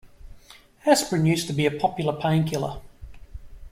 Asprin used to be a popular painkiller